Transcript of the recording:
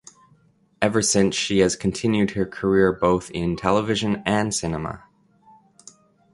Ever since she has continued her career both in television and cinema.